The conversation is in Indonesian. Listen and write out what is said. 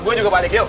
gua juga balik ayo